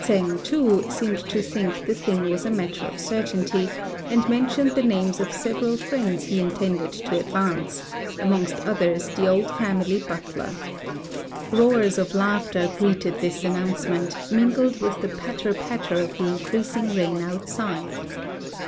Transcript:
Tsêng, too, seemed to think the thing was a matter of certainty, and mentioned the names of several friends he intended to advance, amongst others the old family butler. Roars of laughter greeted this announcement, mingled with the patter patter of the increasing rain outside.